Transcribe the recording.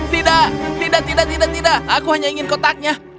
tidak tidak tidak tidak tidak aku hanya ingin kotaknya